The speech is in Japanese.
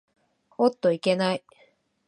おっといけない。